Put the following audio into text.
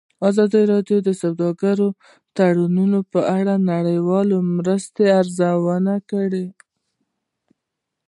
ازادي راډیو د سوداګریز تړونونه په اړه د نړیوالو مرستو ارزونه کړې.